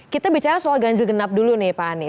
kita bicara soal ganjil genap dulu nih pak anies